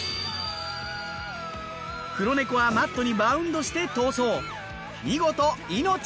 黒猫はマットにバウンドして逃走。